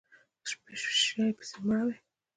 شي پسې مړاوی